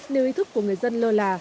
lưu ý thức của người dân lơ là